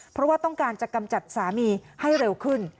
เพราะว่าต้องการจะกำจัดสามีให้เร็วขึ้น